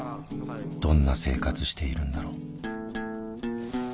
どんな生活しているんだろう？